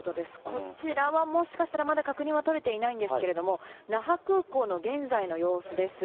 こちらはもしかしたらまだ確認は取れていないんですけれども、那覇空港の現在の様子です。